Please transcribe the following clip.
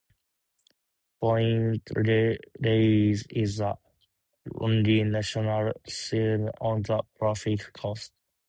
Point Reyes is the only national seashore on the Pacific coast.